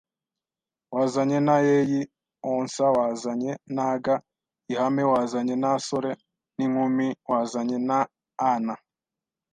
wazanye n’ayeyi onsa wazanye n’aga ’iihame wazanye n’asore n’inkumi wazanye n’ana